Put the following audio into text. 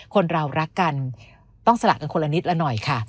คนเรารักกันต้องสละกันคนละนิดละหน่อยค่ะ